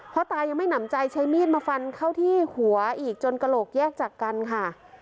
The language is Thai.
ตายังไม่หนำใจใช้มีดมาฟันเข้าที่หัวอีกจนกระโหลกแยกจากกันค่ะ